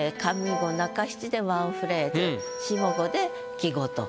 五中七でワンフレーズ下五で季語と。